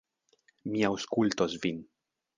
Mi aŭskultos vin.